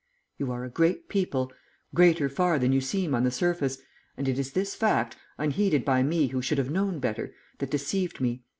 You are a great people; greater far than you seem on the surface, and it is this fact, unheeded by me who should have known better, that deceived me.